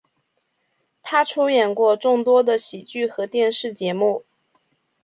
他出演过众多的喜剧和电视节目。